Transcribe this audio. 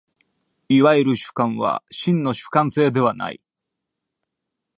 いわゆる主観は真の主観性ではない。